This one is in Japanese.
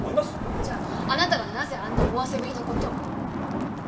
じゃああなたはなぜあんな思わせぶりなことを？